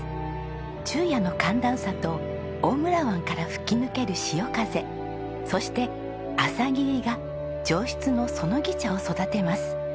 昼夜の寒暖差と大村湾から吹き抜ける潮風そして朝霧が上質のそのぎ茶を育てます。